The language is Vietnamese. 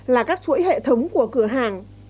là các chuỗi hệ thống của cửa hàng